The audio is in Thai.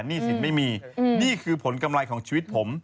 หนี้สินไม่มีนี่คือผลกำไรของชีวิตผม